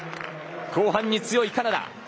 後半に強いカナダ。